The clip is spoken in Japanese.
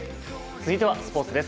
続いてはスポーツです。